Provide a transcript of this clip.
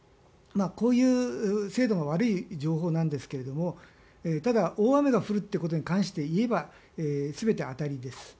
こういう精度が悪い情報なんですがただ、大雨が降るということに関して言えば全て当たりです。